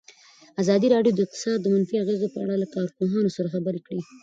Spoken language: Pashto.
ازادي راډیو د اقتصاد د منفي اغېزو په اړه له کارپوهانو سره خبرې کړي.